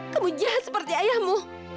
kamu jahat seperti ayahmu